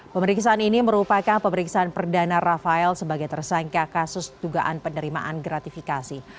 pemeriksaan ini merupakan pemeriksaan perdana rafael sebagai tersangka kasus dugaan penerimaan gratifikasi